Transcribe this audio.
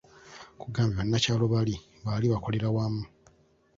Nkugambye banakyalo bali baali bakolera wamu.